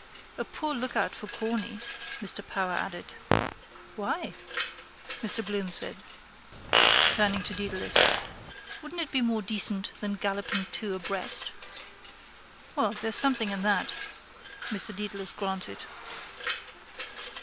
—A poor lookout for Corny, Mr Power added. —Why? Mr Bloom asked, turning to Mr Dedalus. Wouldn't it be more decent than galloping two abreast? —Well, there's something in that, Mr Dedalus granted.